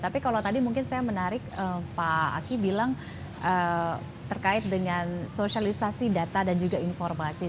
tapi kalau tadi mungkin saya menarik pak aki bilang terkait dengan sosialisasi data dan juga informasi